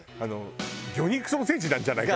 魚肉ソーセージなんじゃないか？